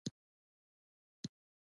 د غمونو باغ او راغ.